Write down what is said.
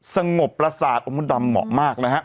สงบประสาทอมดำเหมาะมากนะครับ